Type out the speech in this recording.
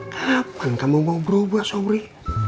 kapan kamu mau berobat sauri